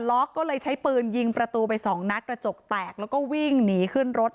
ล็อกก็เลยใช้ปืนยิงประตูไปสองนัดกระจกแตกแล้วก็วิ่งหนีขึ้นรถ